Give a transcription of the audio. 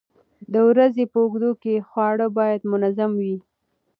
د ورځې په اوږدو کې خواړه باید منظم وي.